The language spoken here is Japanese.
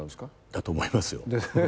だと思いますよ。